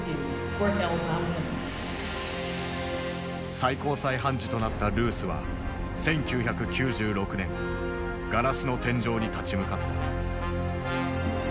最高裁判事となったルースは１９９６年ガラスの天井に立ち向かった。